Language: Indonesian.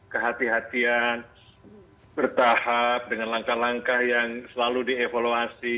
kehati hatian bertahap dengan langkah langkah yang selalu dievaluasi